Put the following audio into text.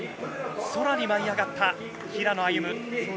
空に舞い上がった平野歩夢。